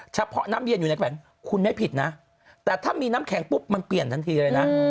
เฉพาะน้ำเย็นอยู่ในแขวนคุณไม่ผิดนะแต่ถ้ามีน้ำแข็งปุ๊บมันเปลี่ยนทันทีเลยนะ